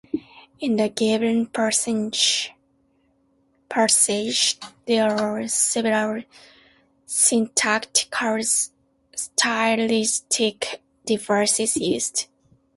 In the given passage, there are several syntactical stylistic devices used.